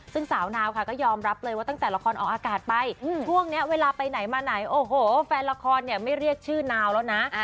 ซึ่งสาวนาวค่ะก็ยอมรับเลยว่าตั้งแต่ละครออกอากาศไปช่วงนี้เวลาไปไหนมาไหนโอ้โหแฟนละครเนี่ยไม่เรียกชื่อนาวแล้วนะ